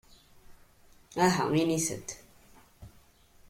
Aha init-d!